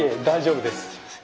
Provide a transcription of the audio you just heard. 大丈夫です。